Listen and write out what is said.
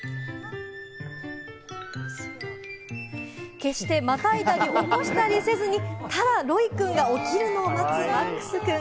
決してまたいだり起こしたりせずに、ただロイくんが起きるのを待つ、マックスくん。